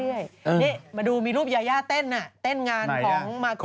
นี่มาดูมีรูปยาย่าเต้นนะเต้นงานของมากกี้